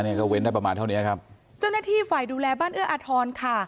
เนี้ยก็เว้นได้ประมาณเท่านี้ครับเจ้าหน้าที่ฝ่ายดูแลบ้านเอื้ออาทรค่ะ